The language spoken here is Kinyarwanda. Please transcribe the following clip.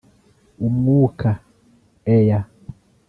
umwuka (air)